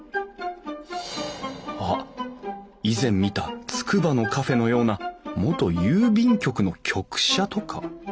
あっ以前見たつくばのカフェのような元郵便局の局舎とか？